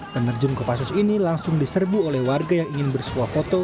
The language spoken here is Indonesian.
penerjun kopassus ini langsung diserbu oleh warga yang ingin bersuah foto